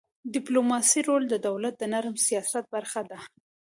د ډيپلوماسی رول د دولت د نرم سیاست برخه ده.